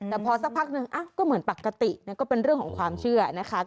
แต่พอสักพักหนึ่งก็เหมือนปกติก็เป็นเรื่องของความเชื่อนะคะ